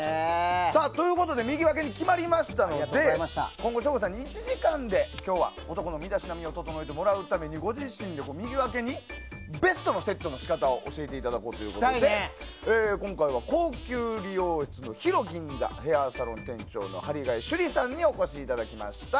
ということで右分けに決まりましたので今後、省吾さんに１時間で今日は男の身だしなみを整えてもらうためにご自身でも右分けでベストなセットの仕方を教えていただこうということで今回は、高級理容室のヒロ銀座ヘアーサロン店長の張替朱里さんにお越しいただきました。